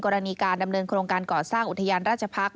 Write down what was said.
กรณีการดำเนินโครงการก่อสร้างอุทยานราชพักษ